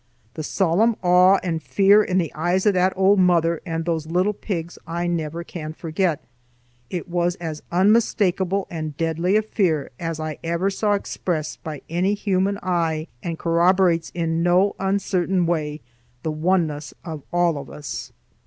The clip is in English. The solemn awe and fear in the eyes of that old mother and those little pigs I never can forget; it was as unmistakable and deadly a fear as I ever saw expressed by any human eye, and corroborates in no uncertain way the oneness of all of us.